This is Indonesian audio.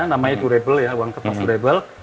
namanya durable ya uang kepas durable